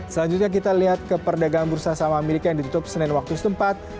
selanjutnya kita lihat keperdagangan bursa sama amerika yang ditutup senin waktu setempat